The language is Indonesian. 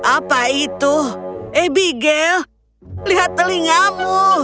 apa itu abigail lihat telingamu